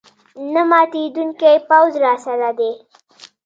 نه ماتېدونکی پوځ راسره دی.